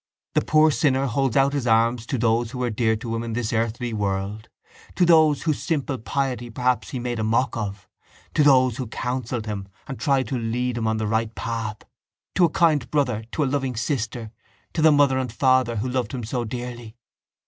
The poor sinner holds out his arms to those who were dear to him in this earthly world, to those whose simple piety perhaps he made a mock of, to those who counselled him and tried to lead him on the right path, to a kind brother, to a loving sister, to the mother and father who loved him so dearly.